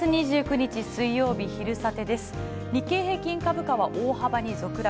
日経平均株価は大幅に続落。